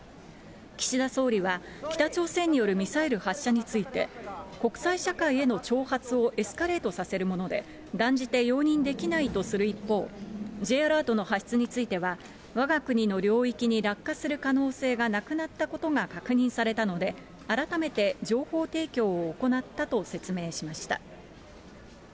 岸田総理は、北朝鮮によるミサイル発射について、国際社会への挑発をエスカレートさせるもので、断じて容認できないとする一方、Ｊアラートの発出については、わが国の領域に落下する可能性がなくなったことが確認されたので、改めて情報提供を行ったと説明しました。